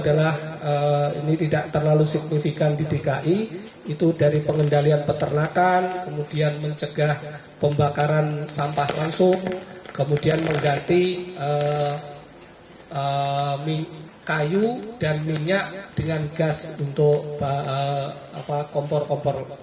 kementerian lingkungan hidup sigit reliantoro sisi kementerian lingkungan hidup sigit reliantoro